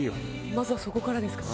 まずはそこからですかね？